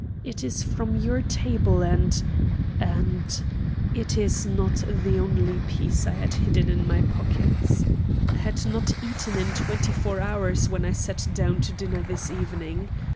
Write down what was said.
It is from your table, and and it is not the only piece I had hidden in my pockets. I had not eaten in twenty four hours when I sat down to dinner this evening.